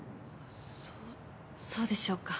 そそうでしょうか？